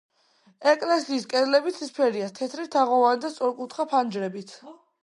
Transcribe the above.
ეკლესიის კედლები ცისფერია, თეთრი თაღოვანი და სწორკუთხა ფანჯრებით.